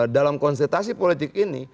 dalam konsentrasi politik ini